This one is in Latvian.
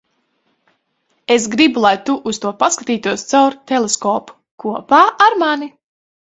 Es gribu, lai tu uz to paskatītos caur teleskopu - kopā ar mani.